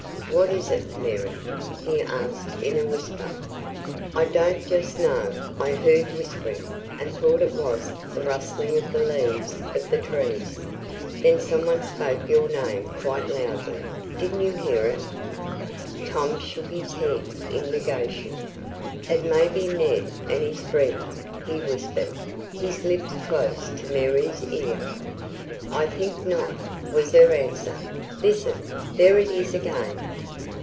"What is it, Mary?" he asked in a whisper. "I don't just know. I heard whispering, and thought it was the rustling of the leaves of the trees. Then someone spoke your name quite loudly. Didn't you hear it?" Tom shook his head in negation. "It may be Ned and his friend," he whispered, his lips close to Mary's ear. "I think not," was her answer. "Listen; there it is again."